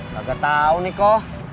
gak tau niko